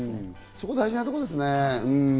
そこ、大事なところですね。